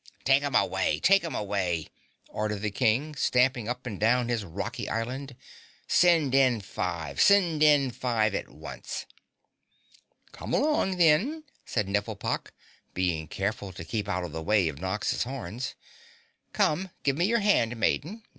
"Take 'em away! Take 'em away!" ordered the King, stamping up and down his rocky island. "Send in Five! Send in Five at once!" "Come along, then," said Nifflepok, being careful to keep out of the way of Nox's horns. "Come, give me your hand, maiden.